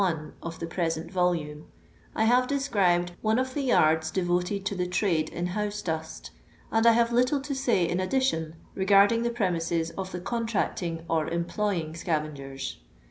At page 171 of the present volume I have do scribed one of the yards devoted to the trade in house dust, and I have little to say in addition regarding the premises of the contracting or em ploying scavengers.